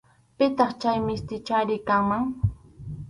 Pitaq chay mistichari kanman.